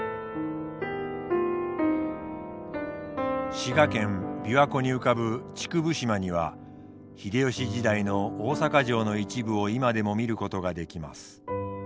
滋賀県琵琶湖に浮かぶ竹生島には秀吉時代の大坂城の一部を今でも見ることができます。